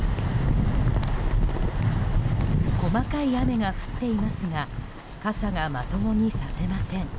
細かい雨が降っていますが傘がまともにさせません。